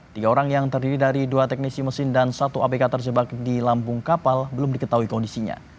tiga orang yang terdiri dari dua teknisi mesin dan satu abk terjebak di lambung kapal belum diketahui kondisinya